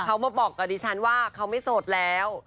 เขามาบอกกับดิฉันว่าเขาไม่โสดแล้ว